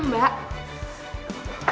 biasa stop tenang mbak